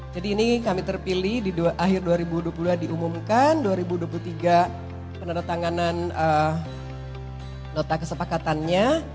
jadi ini kami terpilih di akhir dua ribu dua puluh dua diumumkan dua ribu dua puluh tiga penerotanganan nota kesepakatannya